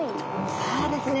そうですね。